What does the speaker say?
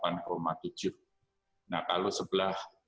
delapan tujuh nah kalau sebelah